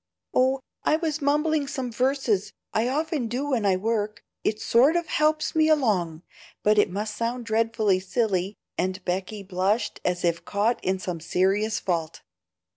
"Oh, I was mumbling some verses. I often do when I work, it sort of helps me along; but it must sound dreadfully silly," and Becky blushed as if caught in some serious fault.